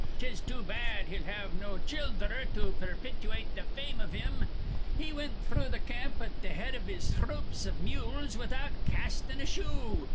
'Tis too bad he'll have no childher to perpituate th' fame iv him. He wint through th' camp at th' head iv his throops iv mules without castin' a shoe.